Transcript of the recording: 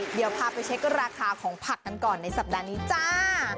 เดี๋ยวพาไปเช็คราคาของผักกันก่อนในสัปดาห์นี้จ้า